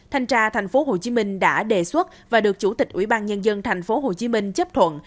thanh tra thành phố hồ chí minh đã đề xuất và được chủ tịch ủy ban nhân dân thành phố hồ chí minh chấp thuận